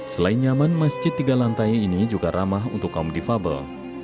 selain nyaman masjid tiga lantai ini juga ramah untuk kaum difabel